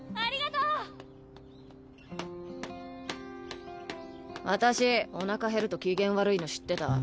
トントントン私おなか減ると機嫌悪いの知ってた？